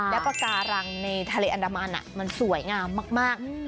แล้วปากการังในทะเลอันดามันมันสวยงามมาก